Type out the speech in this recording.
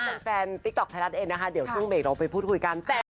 มากระซิบกันทราบไปทำหัวส่าห์มาครบแก้วใช่